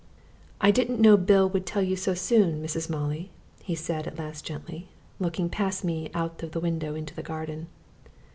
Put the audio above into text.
"I didn't know Bill would tell you so soon, Mrs. Molly," he said at last gently, looking past me out of the window into the garden.